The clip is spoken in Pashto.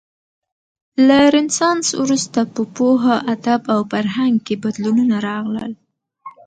له رنسانس وروسته په پوهه، ادب او فرهنګ کې بدلونونه راغلل.